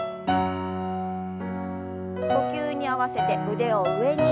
呼吸に合わせて腕を上に。